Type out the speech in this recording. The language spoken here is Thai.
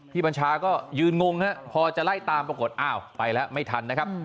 บัญชาก็ยืนงงฮะพอจะไล่ตามปรากฏอ้าวไปแล้วไม่ทันนะครับ